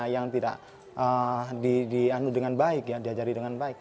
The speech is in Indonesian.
yang tidak dianud dengan baik diajari dengan baik